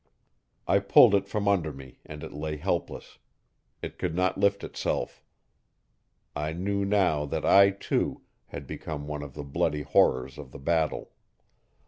I pulled it from under me and it lay helpless; it could not lift itself. I knew now that I, too, had become one of the bloody horrors of the battle.